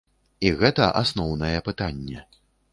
І гэта асноўнае пытанне.